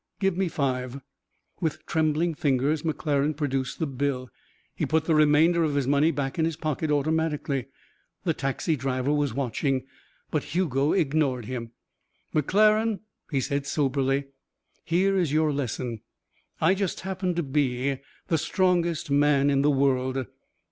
"Give me five." With trembling fingers McClaren produced the bill. He put the remainder of his money back in his pocket automatically. The taxi driver was watching, but Hugo ignored him. "McClaren," he said soberly, "here's your lesson. I just happen to be the strongest man in the world.